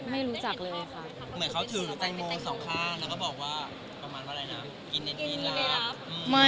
ไม่รู้จักเลยค่ะ